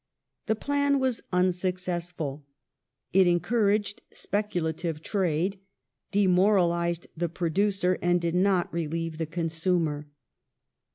The plan was unsuccessful ; it encouraged speculative trade, demoral ized the producer, and did not relieve the consumer.